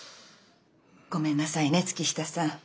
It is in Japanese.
ごめんなさいね月下さん。